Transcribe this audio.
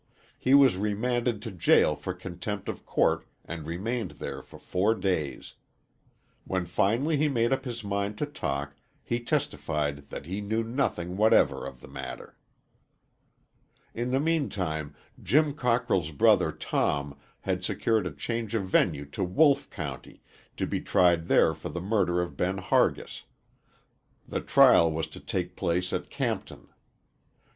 He was remanded to jail for contempt of court and remained there for four days. When finally he made up his mind to talk, he testified that he knew nothing whatever of the matter. In the meantime, Jim Cockrell's brother Tom had secured a change of venue to Wolfe County, to be tried there for the murder of Ben Hargis. The trial was to take place at Campton.